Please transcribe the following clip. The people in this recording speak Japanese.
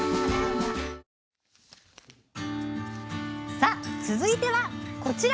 さあ、続いてはこちら。